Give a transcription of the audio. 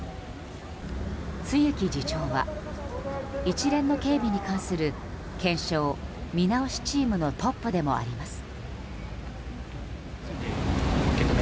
露木次長は、一連の警備に関する検証・見直しチームのトップでもあります。